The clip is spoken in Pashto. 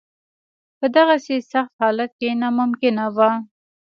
په دغسې سخت حالت کې ناممکنه وه.